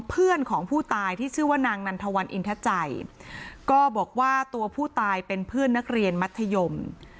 เพื่อนของผู้ตายที่ชื่อว่านางนันทวันอินทใจก็บอกว่าตัวผู้ตายเป็นเพื่อนนักเรียนมัธยม